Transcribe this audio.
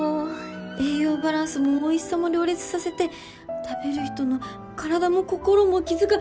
栄養バランスもおいしさも両立させて食べる人の体も心も気遣う。